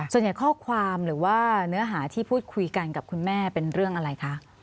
ส่วนใหญ่ข้อความหรือว่าเนื้อหาที่พูดคุยกันกับคุณแม่เป็นเรื่องอะไรคะ